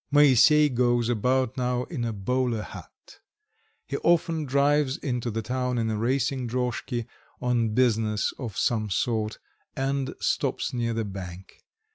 Moisey goes about now in a bowler hat; he often drives into the town in a racing droshky on business of some sort, and stops near the bank.